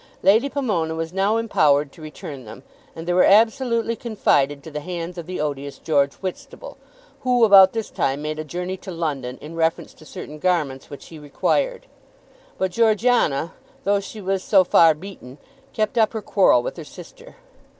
Lady Pomona was now empowered to return them, and they were absolutely confided to the hands of the odious George Whitstable, who about this time made a journey to London in reference to certain garments which he required. But Georgiana, though she was so far beaten, kept up her quarrel with her sister.